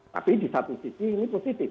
tapi di satu sisi ini positif